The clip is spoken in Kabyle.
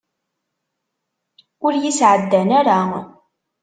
Ur yi-sɛeddan ara.